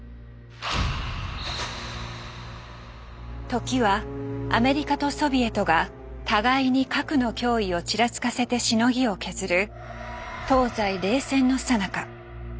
時はアメリカとソビエトが互いに核の脅威をちらつかせてしのぎを削る東西冷戦のさなか。